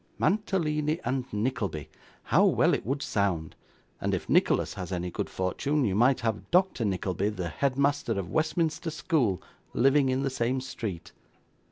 "Mantalini and Nickleby", how well it would sound! and if Nicholas has any good fortune, you might have Doctor Nickleby, the head master of Westminster School, living in the same street.